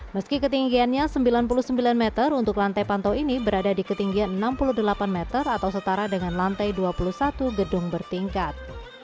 meski ketinggiannya sembilan puluh sembilan meter untuk lantai pantau ini berada di ketinggian enam puluh delapan meter atau setara dengan lantai dua puluh satu gedung bertingkat